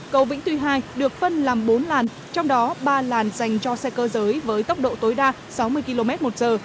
cầu vĩnh tuy hai được phân làm bốn làn trong đó ba làn dành cho xe cơ giới với tốc độ tối đa sáu mươi km một giờ